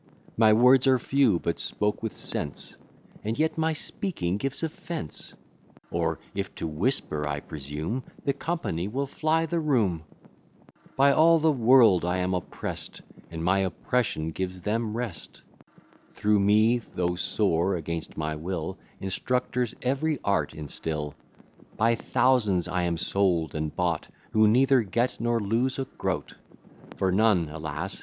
My words are few, but spoke with sense; And yet my speaking gives offence: Or, if to whisper I presume, The company will fly the room. By all the world I am opprest: And my oppression gives them rest. Through me, though sore against my will, Instructors every art instil. By thousands I am sold and bought, Who neither get nor lose a groat; For none, alas!